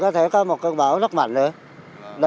có thể có một cơn bão rất mạnh nữa